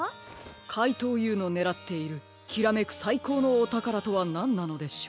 かいとうＵのねらっている「きらめくさいこうのおたから」とはなんなのでしょう？